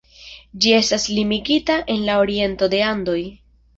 Ĝi estas limigita en la oriento de Andoj.